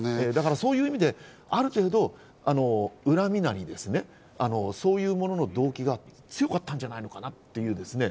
だからそういう意味で、ある程度恨みなり、そういうものの動機が強かったんじゃないのかなと。